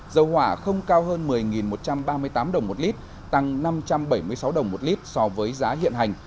dầu hỏa không cao hơn một mươi một trăm ba mươi tám đồng một lít tăng năm trăm bảy mươi sáu đồng một lít so với giá hiện hành